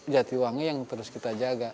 jatiwangi yang terus kita jaga